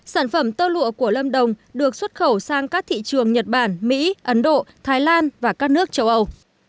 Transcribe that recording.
sản phẩm tơ lụa của lâm đồng được xuất khẩu sang các thị trường nhật bản mỹ ấn độ thái lan và các nước châu âu